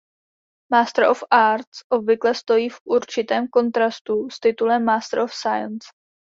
Master of Arts obvykle stojí v určitém kontrastu s titulem Master of Science.